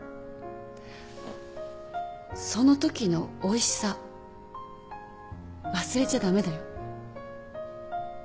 そのときのおいしさ忘れちゃ駄目だよ。